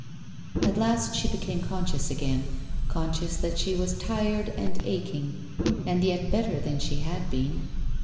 At last she became conscious again — conscious that she was tired and aching, and yet better than she had been.